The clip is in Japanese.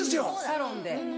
サロンで。